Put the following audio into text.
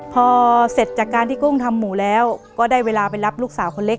พอเสร็จจากการที่กุ้งทำหมูแล้วก็ได้เวลาไปรับลูกสาวคนเล็ก